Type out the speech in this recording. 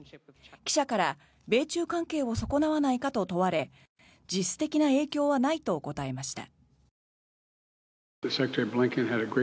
記者から米中関係を損なわないかと指摘され実質的な影響はないと答えました。